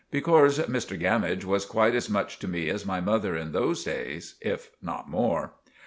Becorse Mr Gammidge was quite as much to me as my mother in those days, if not more.